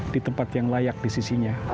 di tempat yang layak di sisinya